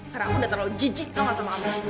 karena aku udah terlalu jijik tau nggak sama ambar